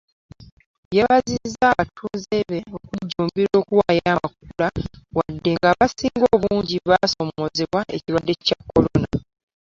Yeebazizza abatuuze be okujjumbira okuwaayo Amakula wadde ng’abasinga obungi basoomoozebwa ekirwadde kya Kolona.